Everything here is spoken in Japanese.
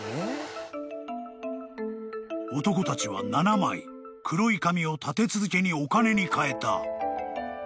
［男たちは７枚黒い紙を立て続けにお金にかえた］